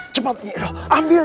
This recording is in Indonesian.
cepat nyi iroh ambil